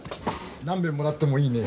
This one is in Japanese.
何べんもらってもいいね。